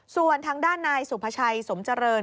ส่วนทางด้านนายสุภาชัยสมเจริญ